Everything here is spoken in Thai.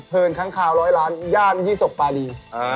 เพลินครั้งคาวร้อยล้านย่านยี่ศพปาลี